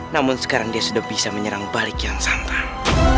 namun sekarang dia sudah bisa menyerang balik kian santang